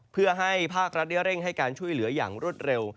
เพื่อให้ภาครัฐได้เร่งให้การช่วยเหลืออย่างรวดเร็ว